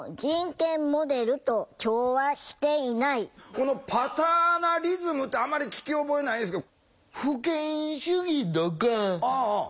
このパターナリズムってあんまり聞き覚えないですけど。